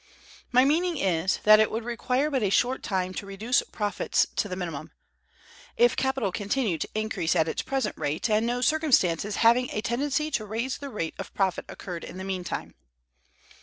My meaning is, that it would require but a short time to reduce profits to the minimum, if capital continued to increase at its present rate, and no circumstances having a tendency to raise the rate of profit occurred in the mean time.